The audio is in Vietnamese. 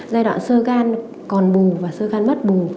giai đoạn sơ gan còn bù và sơ gan mất bù